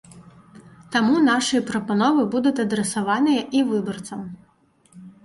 Таму нашыя прапановы будуць адрасаваныя і выбарцам.